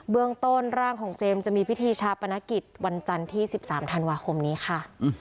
เรื่องต้นร่างของเจมส์จะมีพิธีชาปนกิจวันจันทร์ที่๑๓ธันวาคมนี้ค่ะ